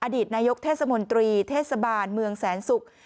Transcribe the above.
อดีตนายกเทศมนตรีเทศบาลเมืองแสนศุกร์